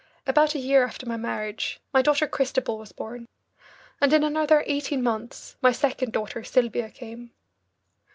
About a year after my marriage my daughter Christabel was born, and in another eighteen months my second daughter Sylvia came.